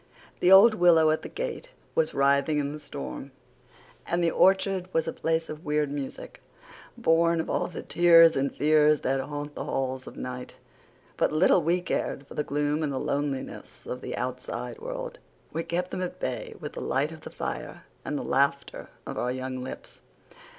The old willow at the gate was writhing in the storm and the orchard was a place of weird music, born of all the tears and fears that haunt the halls of night. But little we cared for the gloom and the loneliness of the outside world; we kept them at bay with the light of the fire and the laughter of our young lips.